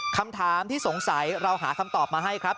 คำถามที่สงสัยเราหาคำตอบมาให้ครับ